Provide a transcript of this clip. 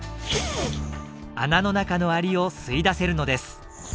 穴の中のアリを吸い出せるのです。